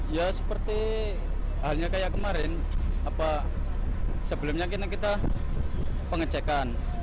ya seperti halnya kayak kemarin sebelumnya kita pengecekan